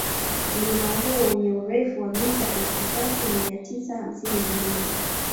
Mlima huo wenye urefu wa mita elfu tatu mia tisa hamsini na mbili